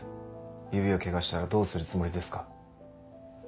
指をケガしたらどうするつもりですか？